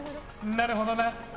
なるほどな！